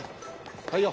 はいよ。